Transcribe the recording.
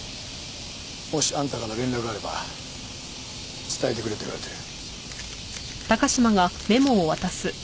もしあんたから連絡があれば伝えてくれと言われている。